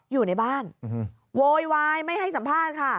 อยู่ในบ้านโวยวายไม่ให้สัมภาษณ์ค่ะ